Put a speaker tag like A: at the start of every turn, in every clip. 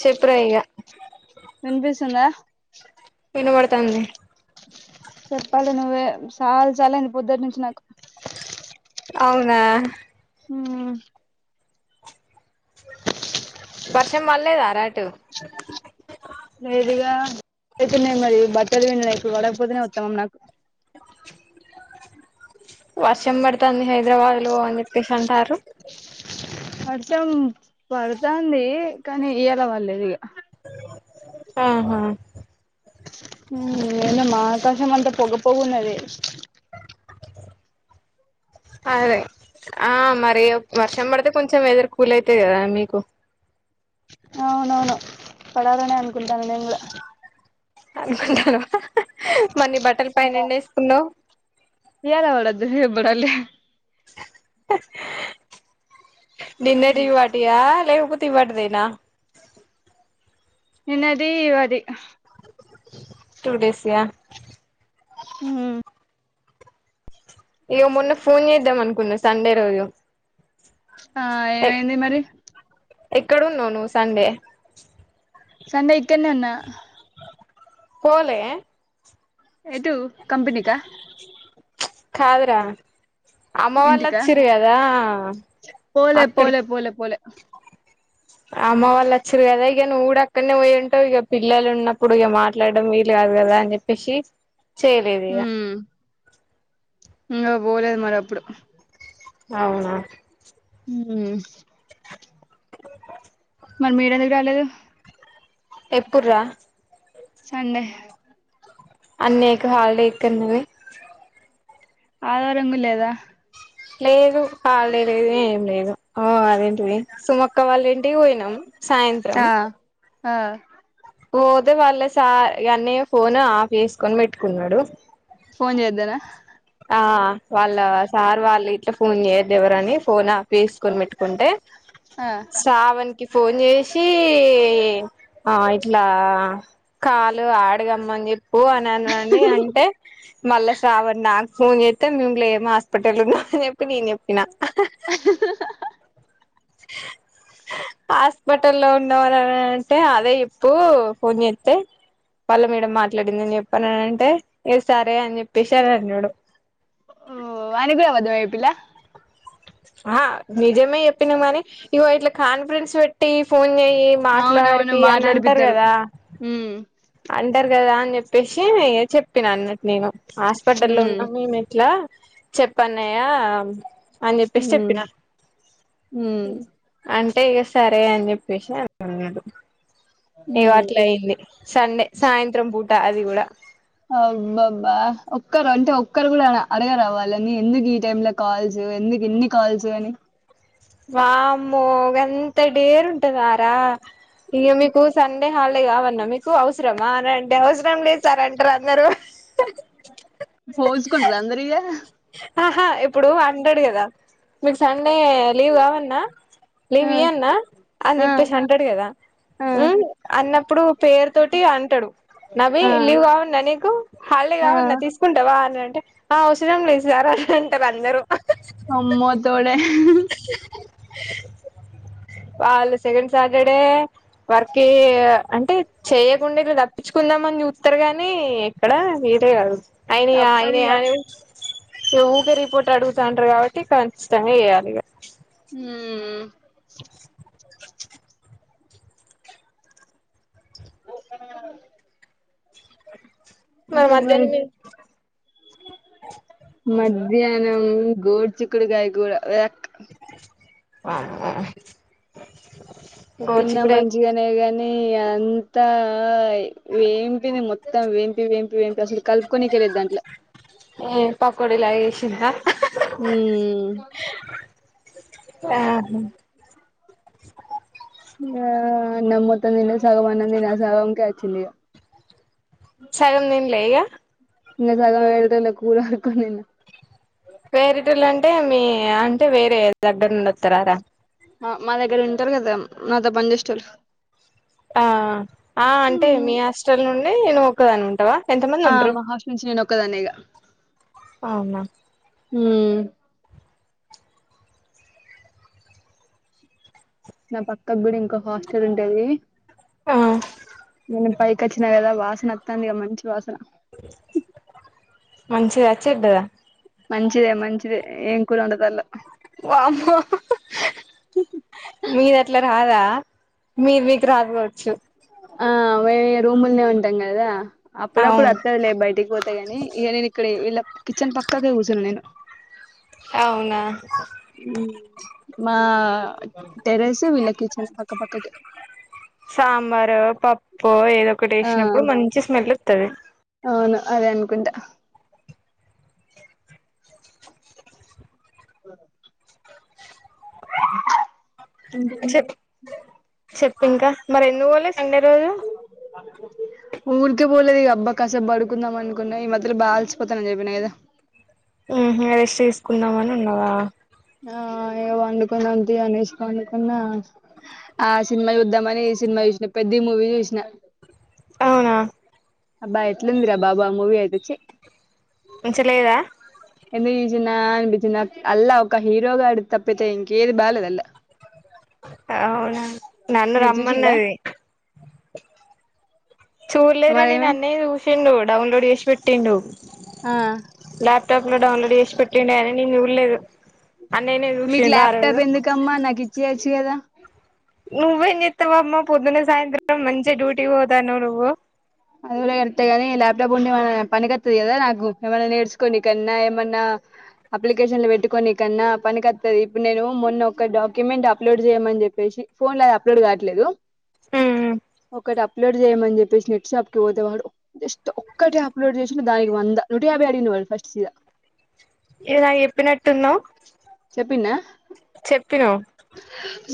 A: చెప్పురా ఇగా
B: వినిపిస్తుందా
A: వినబడుతంది
B: చెప్పాలే నువ్వే సాల్ సాల్ అయింది పొద్దుటి నుంచి నాకు
A: అవునా
B: ఉమ్
A: వర్షం పల్లెదార అటు
B: లేదుగా అయ్తున్నాయ్ మరి బట్టలు పిండిన ఇప్పుడు పడకపోతనే ఉత్తమం నాకు
A: వర్షం పడుతంది హైదరాబాద్ లో అని చెప్పేసి అంటార్రు
B: వర్షం పడుతాంది కానీ ఇయ్యలా పళ్లేదు ఇగా
A: ఆహా
B: ఏందమా ఆకాశం అంతా పొగపోగున్నది
A: అదే ఆ మరి వర్షం పడితే కొంచెం వెదర్ కూల్ అయితయి కదా మీకు
B: అవునవును పడాలనే అనుకుంటాన నేను కూడా
A: అనుకుంటను మరిని బట్టల్ పైన ఎండేసుకున్నావ్
B: బడ లే
A: నిన్నటి వాటియా లేపో ఇవాటిదేనా
B: నిన్నటి అది
A: టూడేష్ యా
B: ఉ
A: ఇయ్యగో మొన్న ఫోన్ చేద్దాం అనుకున్నా సండే రోజు
B: ఆ ఏమైంది మరి
A: ఎక్కడ ఉన్నావ్ నువ్వు సండే
B: సండే ఇక్కన్నే ఉన్నా
A: పోలే
B: ఎటు కంపెనీకా
A: కాదురా అమ్మ వాళ్లు
B: ఇంటికా
A: వచ్చిరు కదా
B: పోలే పోలే
A: అక్కడికి
B: పోలే పోలే
A: అమ్మ వాళ్ళు వచ్చిరు కదా ఇగ నువ్వు కూడా అక్కడ్నే పోయి ఉంటావు ఇగ పిల్లలు ఉన్నప్పుడు ఇగ మాట్లాడడం వీలు కాదు కదా అని చెప్పేసి చేయలేదు ఇగ
B: ఇంగా పోలేదు మరి అప్పుడు
A: అవునా
B: ఉ మరి మీరు ఎందు రాలేదు
A: ఎప్పుడు రా
B: సండే
A: అన్నయ్యకు హాలిడేక్కన్నావి
B: ఆదివారము లేదా
A: లేదు హాలిడే లేదు ఏం లేదు ఉ అదేంటిది సుమొక్క వాళ్ళ ఇం ఇంటికి పోయినాం సాయంత్రం
B: ఆ ఆ
A: పోతే వాళ్ళస అన్నయ్య ఫోన్ ఆఫ్ చేసుకొని పెట్టుకున్నాడు
B: ఫోన్ చేద్దానా
A: ఆ వాళ్ళ సార్ వాళ్ళ ఇట్ల ఫోన్ చేయొద్దు ఎవరని ఫోన్ ఆఫ్ చేసుకొని పెట్టుకుంటే
B: ఆ
A: శ్రావణ్ కి ఫోన్ జేసి ఆ ఇట్లా కాలు ఆడగమ్ అన్ చెప్ ఊ అననని అంటే మల్ల శ్రావణ ఫోన్ జేత్తే మేము లేము హాస్పిటల్లో ఉన్నాం అని చెప్పి నేను చెప్పిన హాస్పిటల్లో ఉన్నవానని అంటే అదే ఇప్పు ఫోన్ చేత్తే వాళ్ళ మేడం మాట్లాడిందని జెప్పను అంటే ఏ సరే అని చెప్పేసి సరే అన్నాడు
B: ఓ వానికీ ఒక్క వైపిల్లా
A: ఆ నిజమే చెప్పినామని ఇగో ఇట్లా కాన్ఫరెన్స్ పెట్టి ఫోన్ ఈ
B: అవునవును
A: మాట్లాడిపీ అని అంటరు
B: మాట్లాడిపిత్తరు
A: కదా
B: హ్మ్
A: అంటారు కదా అని చెప్పేసి చెప్పిన అన్నట్టు నేను హాస్పిటల్లో
B: హ్మ్
A: ఉన్నాం మేము ఎట్లా చెప్పఅన్నయ్యా అని చెప్పేసి
B: హ్మ్
A: చెప్పిన అన్
B: హ్మ్
A: అంటే ఇగ సరే అన్ జెప్పేసి అంటున్నడు ఇగో
B: హ్మ్
A: అట్లైంది. సండే సాయంత్రం పూట అది గుడ
B: అబ్బబ్బా ఒక్కరంటే ఒక్కరు గుడా ఆడ అడగరా వాళ్ళని ఎందుకు ఈ టైమ్లో కాల్ చే ఎందుక్ ఇన్ని కాల్స్ అని
A: వామ్మో గంత డేరుంటదారా ఇగ మీకు సండే హాల్డే కావన్న మీకు అవసరమా అన్ అంటే అవసరంలే సార్ అంటరందరూ హ్హ్
B: పూస్కుంటర్ అందరిగా
A: ఆహా ఇప్పుడు అంటడు గదా మీకు సండే లీవ్ కావల్నా లీవ్
B: ఆ
A: ఇయ్యన్న అన్
B: ఆ
A: జెప్పేస్ అంటడు గదా మ్ అన్నప్పుడు పేర్ తోటి అంటడు. నవీ
B: ఆ
A: లీవ్ కావన్న నీకు హాల్డే
B: ఆ
A: కావన్న
B: ఆ
A: తీస్కుంటవా అన్ అన్ ఆ అవసరంలే సార్ అన్ అంటరందరు
B: అమ్మో తోడే
A: వాళ్ళు సెకండ్ సాటర్డే వర్కే అంటే చెయ్యకుండ ఏదో తప్పిచ్చుకుందాం అన్ చూత్తర్ గని ఎక్కడ ఇదే గాదు అయినయా అయనయా
B: తప్పదిగా
A: అని ఇగ ఊకే రిపోర్ట్ అడుగుతాంటర్ కాబట్టి ఖచ్చితంగా చేయా
B: మ్ మ్ ఉప్పన్న తాగాలె
A: మరి
B: ఇంకేంది
A: మధ్యాహ్నం
B: మరి ధ్యాహ్నం గోడ్ చిక్కుడుకాయ కూర వ్యాక్
A: ఆ
B: తిన్న మంచిగనే గన్ నీ అంతా వేంపిది మొత్తం వేంపి వేం వేంపి అసల్ కల్పుకోనికే లేద్ దాంట్ల
A: ఏ పకోడిలా ఏషిందా
B: మ్మ్
A: యా హ్
B: ఆ అన్నం మొత్తం తిన్లే సగం అన్నం తిన్న ఆ సగంకే అచ్చిందిగ
A: సగం తిన్లే ఇగ
B: నిన్న సగం వేరొటోళ్ల కూర అడుక్కొన్ తిన్న.
A: వేరేటోళ్లంటే మీ అంటే వేరే దగ్గర నుండి ఒత్తరారా
B: అ మా దగ్గర ఉంటరు గదా మాతో పని చేసేటోళ్ళు
A: ఆ ఆ అంటే మీ హాస్టల్ నుండి నువ్ ఒక్కదానివ్ ఉంటవా?
B: ఆ మా హాస్టల్ నుంచి నేనొక్కదాన్నే ఇగ
A: అవునా
B: మ్ నా పక్కక్ గుడ ఇంకో హాస్టల్ ఉంటదీ
A: ఆ
B: నేన్ పైకచ్చిన గదా వాసన అత్తాంది ఇగ మంచి వాసన
A: మంచిద, చెడ్డదా?
B: మంచిదే మంచిదే ఏం కూరొండుతాన్లో
A: వామ్మో మీ మీక్ రాదు గావచ్చు.
B: ఆ మే రూముల్నే ఉంటం గదా అప్పుడప్పుడ్
A: అవును
B: అత్తదిలే బయటికి పోతే గని ఇగ నేన్ ఇక్కడే వీళ్ళ కిచన్ పక్కకే కూసున్న నేను
A: అవునా
B: టెరస్ వీళ్ల కిచన్ పక్క పక్క కే
A: పో ఏదొ ఒకటి ఏశినప్పుడు మంచి స్మెల్ ఒత్తది
B: అవును అదే అనుకుంటా ఆ ఇంకేం
A: చెప్
B: మరి
A: చెప్పింకా మరి ఎందుకు పోలే సండే రోజు
B: ే ఊరికే పోలేదిగ అబ్బా కాసేబడుకుందాం అనుకున్నా ఈ మధ్యల బాఅలిసిపోతన అని చెప్పిన గదా
A: ఊహ్ ఇగ రెస్ట్ తీసుకుందాం అని ఉన్నావా
B: ఆ ఇగ వండుకుందాం తియ్ అనేశి పండుకున్న ఆ సినిమా చూద్దామని ఈ సినిమా చూసిన పెద్ధి మూవీ చూసిన
A: ఆ
B: అబ్బా ఎట్లుందిరా బాబు ఆ మూవీ అయితె చి
A: మంచలేదా
B: చిన్నా అనిపిచ్చిద్ అల్ల ఒక హీరోగాడి తప్పైతే ఇంకేది బాలెద్ అల్లా
A: అవునా నన్ను
B: మీరు చూసిల్లా
A: రమ్మన్నది చూల్లెద్రా
B: మరి
A: నేన్
B: ఏమైంది
A: అన్నయ్య చూసిండు డౌన్లోడ్ చేశి పెట్టిండు
B: ఆ
A: లాప్ టప్ లో డౌన్లోడ్ చేశి పెట్టిండు అయినా నేను చూల్లెదు
B: మీక్ ల్యాప్టాప్ ఎందుకమ్మా నాకు ఇచ్చేయచ్చు కదా
A: నువ్వేం చేత్తవమ్మ పొద్దున సాయంత్రం మంచిగా డ్యూటీకి పోతానవ్ నువ్వు
B: అది గుడా కరెక్ట్ కని ల్యాప్టాప్ ఉండేమన్నా పనికత్తది కదా నాకు ఏమన్నా నేర్చుకోనికన్నా ఏమన్నా అప్లికేషన్లు పెట్టుకొని కన్నా పనికత్తది ఇప్పుడు నేను మొన్న ఒక డాక్యుమెంట్ అప్లోడ్ చేయమని చెప్పేసి ఫోన్లా అది అప్లోడ్ కాట్లేదు
A: ఉ
B: ఒకటి అప్లోడ్ చేయమని చెప్పేసి నెట్ షాప్ తే వాడు జస్ట్ ఒక్కటే అప్లోడ్ చేసిండు దానికి వందా నూట యాభై అడిగిండు ఫస్ట్ సీద
A: ఇది నాక్ చెప్పినట్టున్నావ్
B: చెప్పిన్నా
A: చెప్పినవ్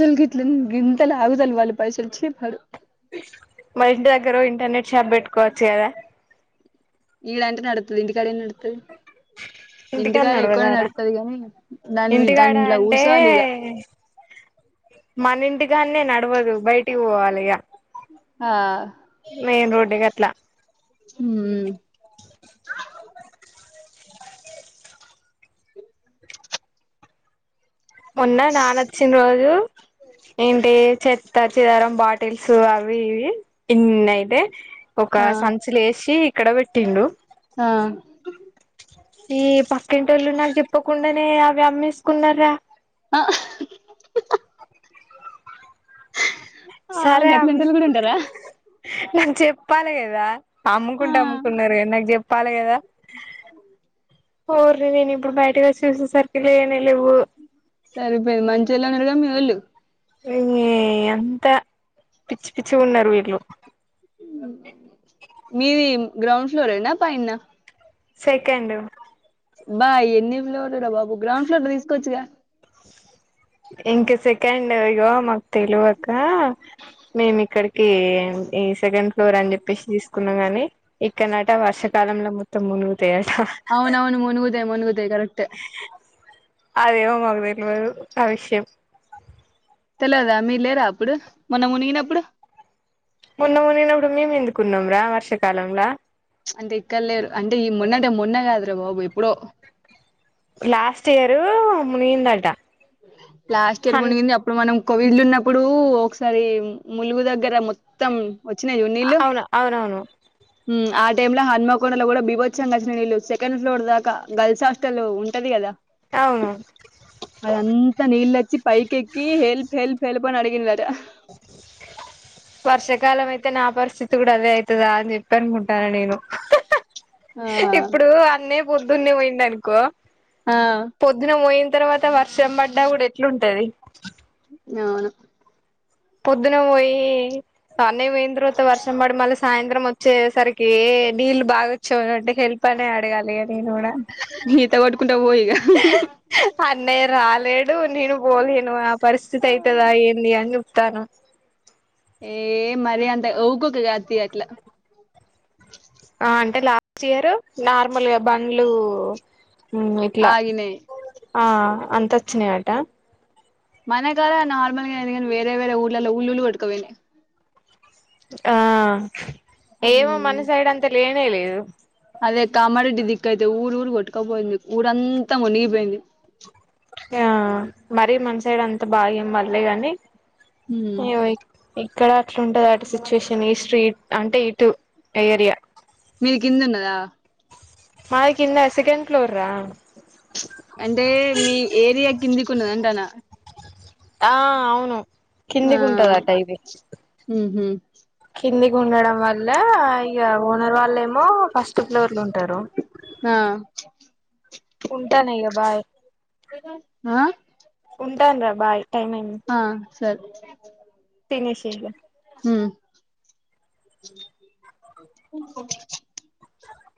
B: సల్ గిట్లిన్ గింతల్గుదల్ వాళ్ పైసలు చిప్ వా
A: మా ఇంటి దగ్గర ఇంటర్నెట్ షాప్ పెట్టుకోవచ్చు గదా
B: ఈడ అంటే నడ్త్తది ఇంటికాడ ఏం నడ్త్తది ఇంటికాడ ఎక్కువనే నడుత్తది గని దాన్
A: ఇంటికాడ
B: దాంట్లో కూసోవాలిగ
A: మనింటికాన్నే నడవదు బయటికి పోవాలె ఇగ
B: ఆ
A: మెయిన్ రోడ్ గట్ల
B: ఉం
A: మొన్నా నానొచ్చిన్ రోజు
B: ఉ
A: ఏంటి చెత్త చెదారం బాటిల్స్ అవి ఇవి ఇన్నయితే
B: ఆ
A: ఒక సంచి లేశి ఇక్కడ పెట్టిండు
B: ఆ
A: ఈ పక్కింటోళ్ళు నాకు చెప్పకుండానే అవి అమ్మేసుకున్నారా
B: ఆ
A: సరే అమ్
B: గట్లంటోళ్ళు కూడ ఉంటారా
A: చెప్పాలె కదా
B: ఆ
A: అమ్ముకుంటే అమ్ముకున్నారు కని నాకు చెప్పాలి కదా ఓర్రీ నేను ఇప్పుడు బయటకు చూసెసరికి లేవే
B: సరిపోయింది మంచోళ్ళన్నారుగా మీ వోళ్ళు
A: ఉ ఇ అంత పిచ్చి పిచ్చిగా ఉన్నారు వీళ్ళు
B: మీది గ్రౌండ్ ఫ్లోరెనా పైన్న
A: సెకండ్
B: బా ఎన్ని ఫ్లోర్లు రా బాబు గ్రౌండ్ ఫ్లోర్లు తీసుకోవచ్చుగా
A: ఇంకా సెకండ్ ఇగో మాకు తెలువక మేమి ఇక్కడికి ఈ సెకండ్ ర్ అని చెప్పేసి తీసుకున్నా గాని ఇక్కడ నట వర్షకాలంలో మొత్తం మునుగు
B: అవునవును మునుగుతయి మునుగుతయి కరెక్టే
A: అదేమో మాకు తెల్వదు ఆవిష్యం
B: తెలదా మీరు లేరా అప్పుడు మొన్న మునిగినప్పుడు
A: మొన్న మునిగినప్పుడు మేము ఎందుకున్నాం రా వర్షాకాలంలా
B: అంటే ఇక్కడ లేరు అంటే ఈ మొన్నంటే మొన్న కాదురా బాబు ఎప్పుడో
A: లాస్ట్ ఇయరు ముీందాల్ట
B: లాస్ట్ ఇయర్ మునిగింది అప్పుడు మనం కోవిడ్లు ఉన్నప్పుడు ఒకసారి ములుగు దగ్గర మొత్తం వచ్చినా జూడు నీల్లు
A: అవును అవునవును
B: ఆ టైమ్ లో హన్మకొండలో కూడా బీభత్సం గచ్చిన నీళ్ళు సెకండ్ ఫ్లోర్ దాకా గర్ల్స్ హాస్టల్ ఉంటది కదా
A: అవును
B: చ్చ పైకేకి హెల్ప్ హెల్ప్ హేల్ప్ని అన్ని అడిగిందట
A: వర్షాకాలం అయితే నా పరిస్థితి కూడా అదే అయితదా అని చెప్పి అనుకుంటాను నేను
B: ఆ
A: ఇప్పుడు అన్నే పొద్దున్నే పోయింది అనుకో
B: ఆ
A: పొద్దున పోయింది తర్వాత వర్షం పడ్డా కూడా ఎట్లుంటది
B: అవును
A: పొద్దున పోయి అన్న పోయిన తరువాత వర్షం పడి మళ్ళీ సాయంత్రం వచ్చేసరికి నీళ్లు బాగాొచ్చావు అంటే హెల్ అనే అడగాలి నేను కూడా
B: ఈత కొట్టుకుంట పో ఇగ
A: అన్నయ్య రాలేడు నేను పోలేను ఆ పరిస్థితి అయితదా ఏంది అని చూస్తానా
B: ఏ మరి అంత ఉక్కుకే కాదు తి అట్లా
A: ఆ అంటే లాస్ట్ చేయరు నార్మల్గా బండ్లు ఇట్లా
B: ఆగినయ్
A: ఆ అంత వచ్చినాయి అట
B: మనకదా నార్మల్ గా అయినాయి వేర వేర ఊర్ల ఉల్లుల్లు కొట్టుకపోయినయ్
A: ఆ ఏమో మన
B: హ్మ్
A: సైడ్ అంతా లేనే లేదు
B: అదే కామారెడ్డి దిక్కు అయితే ఊరు ఊరు కొట్టుకపోయింది ఊరంతా మునిగిపోయింది
A: ఆ మరి మన సైడ్ అంత బాగా ఏం పడలే గాని
B: హ్మ్
A: అయ్యో ఇక్కడ అట్లాంటది అటు సిచ్యుయేషన్ ఈ స్ట్రీట్ అంటే ఇటు ఏరియా
B: కింద ఉన్నదా
A: మాది కింద సెకండ్ ఫ్లోర్ రా
B: అంటే మీ ఏరియా కిందికి ఉంటది అంటఅన్న
A: ఆ అవును
B: ఆ
A: కిందికుంటదట ఇది
B: ఉహు
A: కిందికి ఉండడం వల్ల ఇగ ఓనర్ వాళ్లేమో ఫస్ట్ ఫ్లోర్లుంటారు
B: ఆ
A: ఉంటాన ఇగ బాయ్
B: ఆ
A: టన్రా బాయ్ టైం అయింది
B: సర్
A: తినేశేయ్ ఇగ
B: ఉమ్